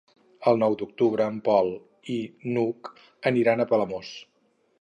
El nou d'octubre en Pol i n'Hug aniran a Palamós.